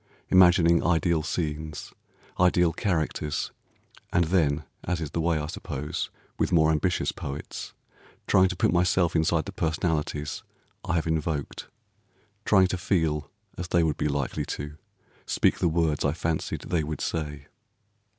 Imagining ideal scenes, ideal characters, and then, as is the way, I suppose, with more ambitious poets, trying to put myself inside the personalities I have invoked, trying to feel as they would be likely to, speak the words I fancied they would say.